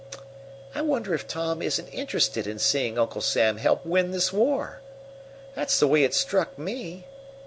I wonder if Tom isn't interested in seeing Uncle Sam help win this war? That's the way it struck me.